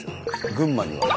群馬には。